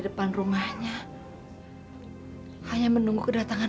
sampai jumpa di video selanjutnya